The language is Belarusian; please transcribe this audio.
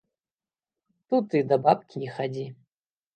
Тут і да бабкі не хадзі.